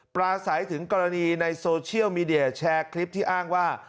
ปราศัยถึงกรณีในโซเชียลมีเดียแชร์คลิปที่อ้างว่า